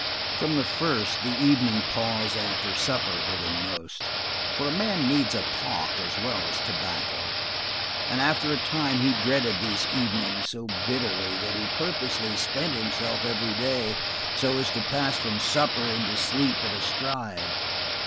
From the first the evening pause after supper hurt him most, for a man needs a talk as well as tobacco, and after a time he dreaded these evenings so bitterly that he purposely spent himself every day, so as to pass from supper into sleep at a stride.